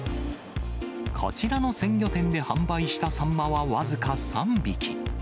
こちらの鮮魚店で販売したサンマは僅か３匹。